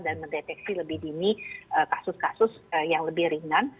dan mendeteksi lebih dini kasus kasus yang lebih ringan